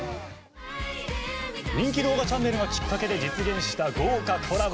人気動画チャンネルがきっかけで実現した豪華コラボ。